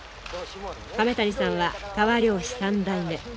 亀谷さんは川漁師３代目。